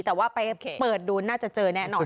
แต่ว่าไปเปิดดูน่าจะเจอแน่นอน